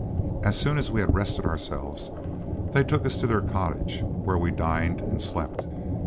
As soon as we had rested ourselves, they took us to their cottages, where we dined and slept.'